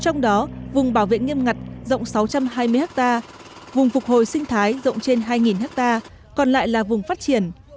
trong đó vùng bảo vệ nghiêm ngặt rộng sáu trăm hai mươi ha vùng phục hồi sinh thái rộng trên hai hectare còn lại là vùng phát triển